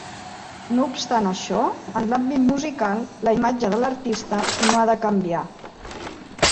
No obstant això, en l'àmbit musical la imatge de l'artista no ha de canviar.